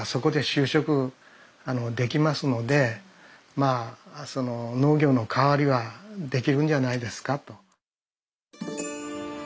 まあ農業の代わりはできるんじゃないですかと。